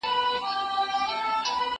زه کولای سم وخت تېرووم،